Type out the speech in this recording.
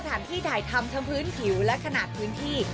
ถ่ายทำทั้งพื้นผิวและขนาดพื้นที่